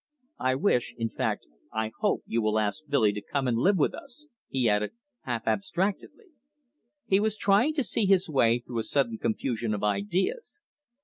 I wish in fact I hope you will ask Billy to come and live with us," he added half abstractedly. He was trying to see his way through a sudden confusion of ideas.